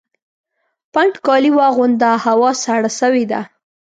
پنډ کالي واغونده ! هوا سړه سوې ده